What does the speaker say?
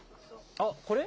あっ、これ？